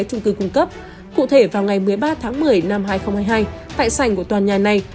trung cư cung cấp cụ thể vào ngày một mươi ba tháng một mươi năm hai nghìn hai mươi hai tại sành của tòa nhà này